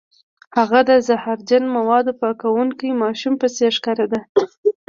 هغه د زهرجن موادو پاکوونکي ماشوم په څیر ښکاریده